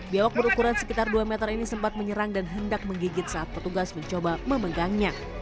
biawak berukuran sekitar dua meter ini sempat menyerang dan hendak menggigit saat petugas mencoba memegangnya